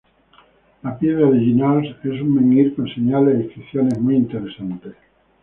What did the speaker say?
La Piedra de Llinars es un menhir con señales e inscripciones muy interesantes.